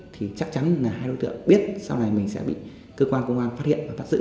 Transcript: thì chắc chắn là hai đối tượng biết sau này mình sẽ bị cơ quan công an phát hiện và bắt giữ